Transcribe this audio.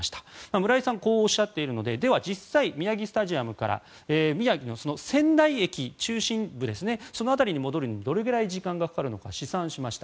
村井さんはこうおっしゃっているのででは、実際宮城スタジアムから宮城の仙台駅、中心部ですねその辺りに戻るのにどのぐらい時間がかかるのかを試算しました。